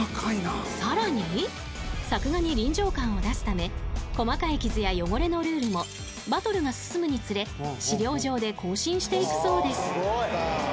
［さらに作画に臨場感を出すため細かい傷や汚れのルールもバトルが進むにつれ資料上で更新していくそうです］